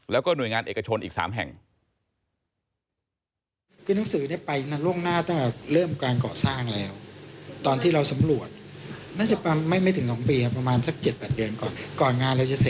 แล้วก็หน่วยงานเอกชนอีก๓แห่ง